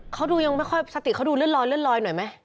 เขาดูยังไม่ค่อยสติเขาดูเลือดลอยหน่อยไหม